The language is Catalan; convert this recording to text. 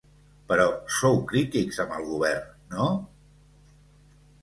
Però sou crítics amb el govern, no?